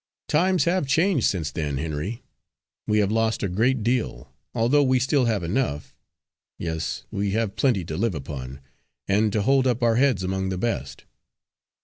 "Times have changed since then, Henry. We have lost a great deal, although we still have enough yes, we have plenty to live upon, and to hold up our heads among the best."